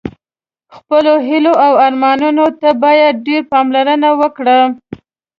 خپلو هیلو او ارمانونو ته باید ډېره پاملرنه وکړه.